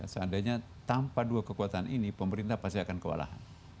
seandainya tanpa dua kekuatan ini pemerintah pasti akan kewalahan